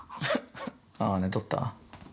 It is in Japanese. ああ、寝とった？